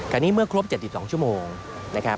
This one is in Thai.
พบหน้าลูกแบบเป็นร่างไร้วิญญาณ